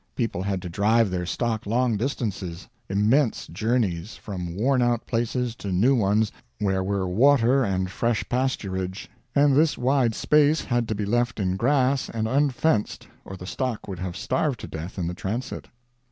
People had to drive their stock long distances immense journeys from worn out places to new ones where were water and fresh pasturage; and this wide space had to be left in grass and unfenced, or the stock would have starved to death in the transit.